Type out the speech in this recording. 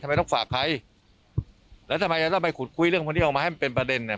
ไม่ต้องฝากใครแล้วทำไมจะต้องไปขุดคุยเรื่องพวกนี้ออกมาให้มันเป็นประเด็นเนี่ย